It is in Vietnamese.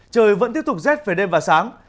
trời vẫn tiếp tục rét về đêm và sáng